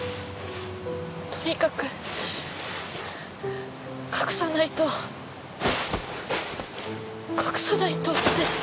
とにかく隠さないと隠さないとって。